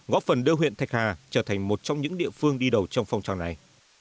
góp phần đưa huyện thạch hà trở thành một trong những địa phương đi đầu trong phong trào này